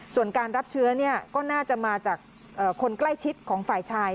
ส่วนการรับเชื้อก็น่าจะมาจากคนใกล้ชิดของฝ่ายชาย